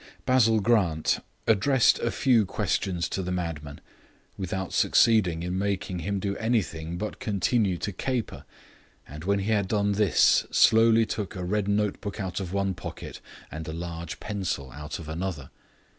Basil Grant addressed a few questions to the madman, without succeeding in making him do anything but continue to caper, and when he had done this slowly took a red note book out of one pocket and a large pencil out of another.